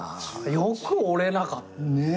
よく折れなかったね。